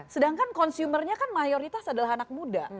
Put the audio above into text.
sedangkan consumernya kan mayoritas adalah anak muda